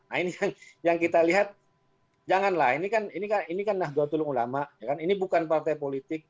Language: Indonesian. nah ini yang kita lihat janganlah ini kan nahdlatul ulama ini bukan partai politik